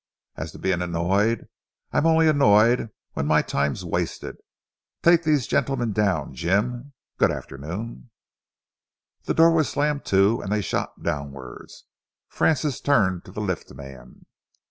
"As to being annoyed, I am only annoyed when my time's wasted. Take these gents down, Jim. Good afternoon!" The door was slammed to and they shot downwards. Francis turned to the lift man.